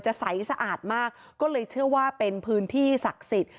ใสสะอาดมากก็เลยเชื่อว่าเป็นพื้นที่ศักดิ์สิทธิ์